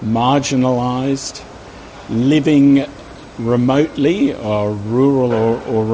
marginalisasi hidup di luar atau di luar